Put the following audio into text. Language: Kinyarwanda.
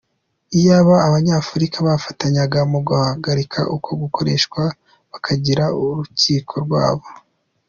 Iyaba Abanyafurika bafatanyaga mu guhagarika uko gukoreshwa bakagira urukiko rwabo.